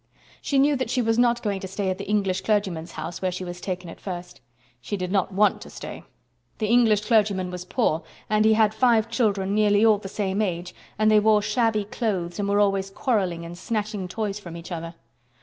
She knew that she was not going to stay at the English clergyman's house where she was taken at first. She did not want to stay. The English clergyman was poor and he had five children nearly all the same age and they wore shabby clothes and were always quarreling and snatching toys from each other.